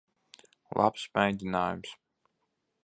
Labs mēģinājums.